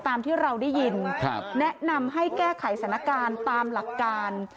ตามที่เราได้ยินแนะนำให้แก้ไขสถานการณ์ตามหลักการ